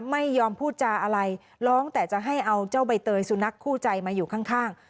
ไม่ยอมพูดจาอะไรร้องแต่จะให้เอาเจ้าใบเตยสุนัขคู่ใจมาอยู่ข้าง